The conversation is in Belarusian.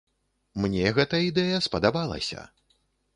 Мне гэта ідэя спадабалася.